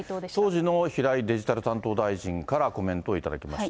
当時の平井デジタル担当大臣からコメントを頂きました。